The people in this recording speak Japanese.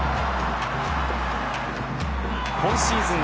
今シーズン